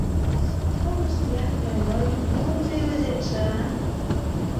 — Колышт-ян, ньоньой, мом тый ойлетше, а?